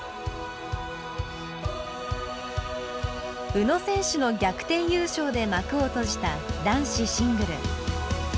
宇野選手の逆転優勝で幕を閉じた男子シングル。